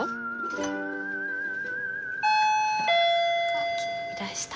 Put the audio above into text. あっいらした。